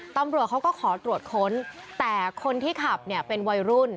ตำรวจเขาก็ขอตรวจค้นแต่คนที่ขับเนี่ยเป็นวัยรุ่น